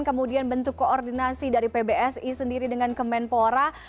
kemudian bentuk koordinasi dari pbsi sendiri dengan kemenpora